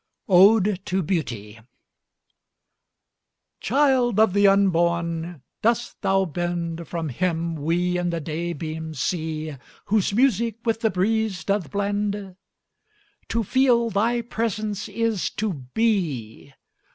ODE TO BEAUTY Child of the Unborn! dost thou bend From Him we in the day beams see, Whose music with the breeze doth blend? To feel thy presence is to be.